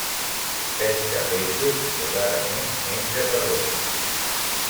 Pesca peixos i rarament menja carronya.